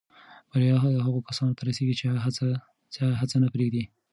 بریا هغو کسانو ته رسېږي چې هڅه نه پرېږدي.